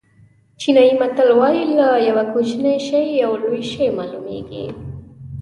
کینیايي متل وایي له یوه کوچني شي یو لوی شی معلومېږي.